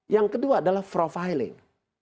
yang kedua adalah profiling